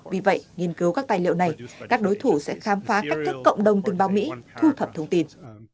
vì vậy nghiên cứu các tài liệu này các đối thủ sẽ khám phá cách thức cộng đồng tình báo mỹ thu thập thông tin